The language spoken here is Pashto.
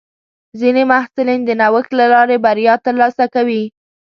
ځینې محصلین د نوښت له لارې بریا ترلاسه کوي.